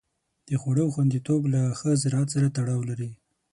د خوړو خوندیتوب له ښه زراعت سره تړاو لري.